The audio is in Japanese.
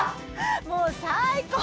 もう最高！